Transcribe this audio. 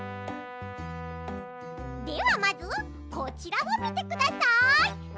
ではまずこちらをみてください。